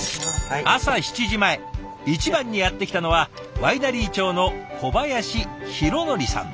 朝７時前一番にやって来たのはワイナリー長の小林弘憲さん。